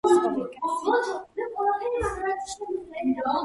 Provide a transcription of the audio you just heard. მას შემდეგ პორტი ეკუთვნოდა დიდ ბრიტანეთს, ხოლო შემდეგ სამხრეთ აფრიკის რესპუბლიკას.